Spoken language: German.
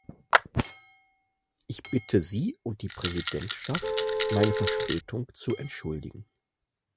Ich bitte Sie und die Präsidentschaft, meine Verspätung zu entschuldigen.